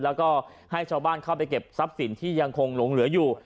แล้วก็ให้ชาวบ้านเข้าไปเก็บทรัพย์สินที่ยังคงหลงเหลืออยู่